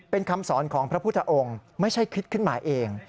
เป็นคำสอนของพระพุทธองค์ไม่ใช่คิดขึ้นมาเอง